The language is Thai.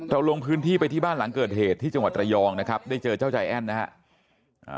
ลงพื้นที่ไปที่บ้านหลังเกิดเหตุที่จังหวัดระยองนะครับได้เจอเจ้าใจแอ้นนะครับ